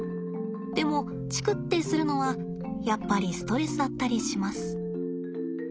でもチクッてするのはやっぱりストレスだったりします。